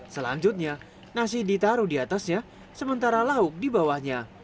selanjutnya nasi ditaruh diatasnya sementara lauk di bawahnya